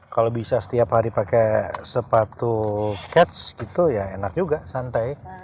kalau bisa setiap hari pakai sepatu catch gitu ya enak juga santai